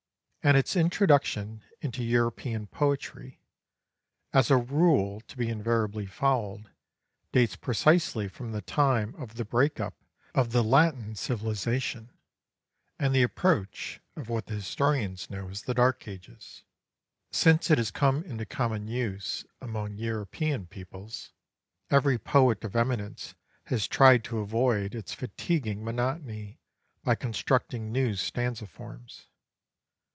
And its introduction into European poetry, as a rule to be invariably followed, dates precisely from the time of the break up of the Latin civilization, and the approach of what the historians know as the Dark Ages. Since it has come into common use among European peoples, every poet of eminence has tried to avoid its fatiguing monotony, by constructing new stanza forms.